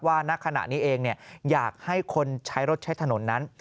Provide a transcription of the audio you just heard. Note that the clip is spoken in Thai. ณขณะนี้เองอยากให้คนใช้รถใช้ถนนนั้น